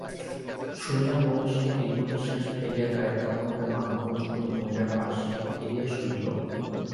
শুনিয়া বংশী দীর্ঘনিশ্বাস ফেলিয়া গায়ের কাপড়টায় মাথা পর্যন্ত মুড়িয়া পাশ ফিরিয়া শুইল।